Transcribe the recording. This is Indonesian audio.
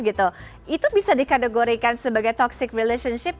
itu bisa dikategorikan sebagai toxic relationship